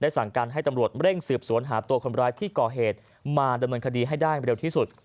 สั่งการให้ตำรวจเร่งสืบสวนหาตัวคนร้ายที่ก่อเหตุมาดำเนินคดีให้ได้เร็วที่สุด